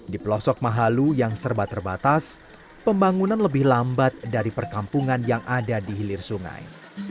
di pelosok mahallu yang serba terbatas pembangunan lebih lambat dari perkampungan yang ada di hilir sungai